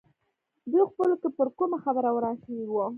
دوی خپلو کې پر کومه خبره وران شوي وو.